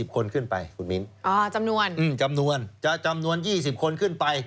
คนขึ้นไปคุณมิ้นจำนวนจำนวน๒๐คนขึ้นไป